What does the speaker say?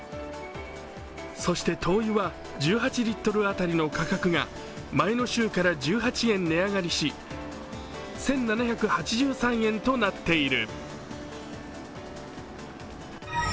そして灯油は１８リットル当たりの価格が前の週から１８円値上がりし１７８３円となっている。